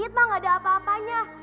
iit mah gak ada apa apanya